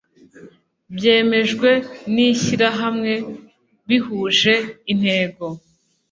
byemejwe n’ishyirahamwe bihuje intego